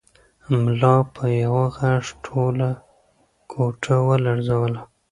ملا په یوه غږ ټوله کوټه ولړزوله.